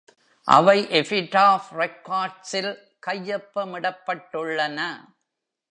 அவை எபிடாஃப் ரெக்கார்ட்ஸில் கையொப்பமிடப்பட்டுள்ளன.